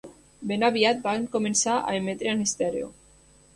Ben aviat van començar a emetre en estèreo.